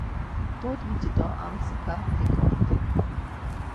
Dodgiti do armtsika diǩondi.